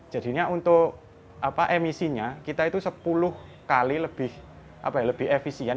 jadinya untuk emisinya kita itu sepuluh kali lebih efisien